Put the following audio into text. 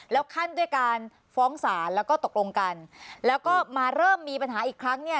แล้วขั้นด้วยการฟ้องศาลแล้วก็ตกลงกันแล้วก็มาเริ่มมีปัญหาอีกครั้งเนี่ย